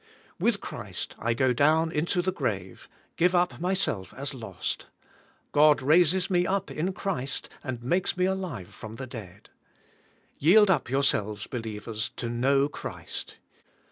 With Christ I go down into the grave, give up myself as lost; God raises me up in Christ and makes me alive from the dead. Yield up yourselves, believers, to know Christ.